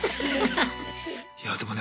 いやあでもね